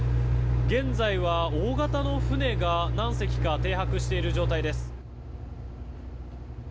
現在は大型の船が何隻か停泊している状態です。